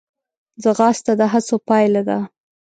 ځغاسته د هڅو پایله ده